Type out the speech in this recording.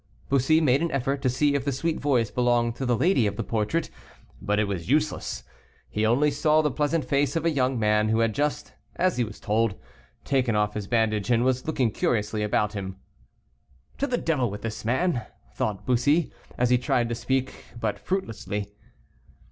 Bussy made an effort to see if the sweet voice belonged to the lady of the portrait, but it was useless. He only saw the pleasant face of a young man, who had just, as he was told, taken off his bandage, and was looking curiously about him. "To the devil with this man," thought Bussy, and he tried to speak, but fruitlessly.